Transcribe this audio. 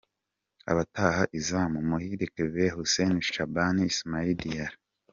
Abataha izamu: Muhire Kevin, Hussein Shaban, Ismaila Diarra.